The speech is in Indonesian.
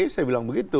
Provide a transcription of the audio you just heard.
jadi saya bilang begitu